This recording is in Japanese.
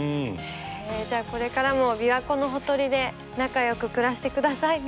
じゃあこれからも琵琶湖のほとりで仲良く暮らしてくださいね。